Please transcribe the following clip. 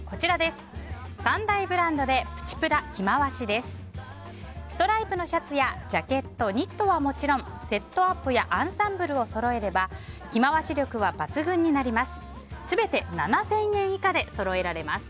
ストライプのシャツやジャケットニットはもちろんセットアップやアンサンブルをそろえれば着回し力は抜群になります。